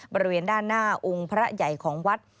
บริเวณด้านหน้าองค์พระใหญ่ของวัด